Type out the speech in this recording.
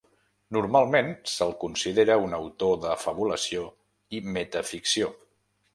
Normalment se'l considera un autor de fabulació i metaficció.